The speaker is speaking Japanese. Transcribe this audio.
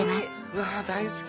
うわ大好き！